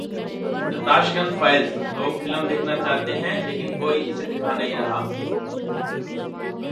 the Tashkent Files: 'लोग फिल्म देखना चाहते हैं लेकिन कोई इसे दिखा नहीं रहा'